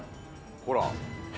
ほら。